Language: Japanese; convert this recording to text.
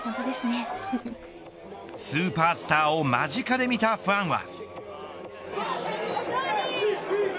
スーパースターを間近で見たファンは。